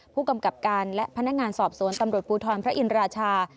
ผู้กำกับการและพนักงานสอบสวนตำรวจภูทรพระอินราชา